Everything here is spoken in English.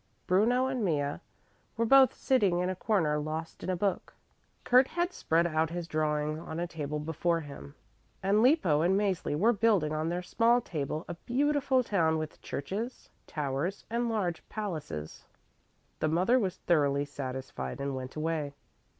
Bruno and Mea were both sitting in a corner lost in a book, Kurt had spread out his drawings on a table before him, and Lippo and Mäzli were building on their small table a beautiful town with churches, towers and large palaces. The mother was thoroughly satisfied and went away.